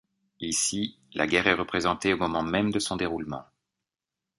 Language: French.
Ici, la guerre est représentée au moment même de son déroulement.